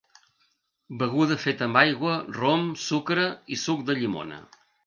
Beguda feta amb aigua, rom, sucre i suc de llimona.